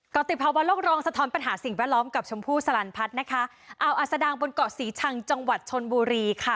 กรติภาวะโลกรองสะท้อนปัญหาสิ่งแวดล้อมกับชมพู่สลันพัฒน์นะคะอ่าวอัศดังบนเกาะศรีชังจังหวัดชนบุรีค่ะ